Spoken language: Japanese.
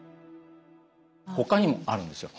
他にもあるんですよ。